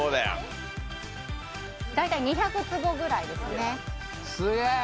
大体２００坪ぐらいですねすげえ！